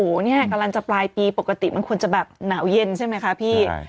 โอ้โหเนี่ยกำลังจะปลายปีปกติมันควรจะแบบหนาวเย็นใช่ไหมคะพี่